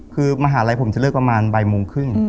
คือมหาลัยผมจะเลิกประมาณบ่ายโมงครึ่ง